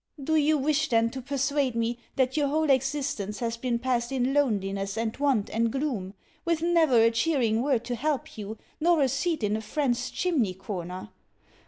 Do you wish, then, to persuade me that your whole existence has been passed in loneliness and want and gloom, with never a cheering word to help you, nor a seat in a friend's chimney corner?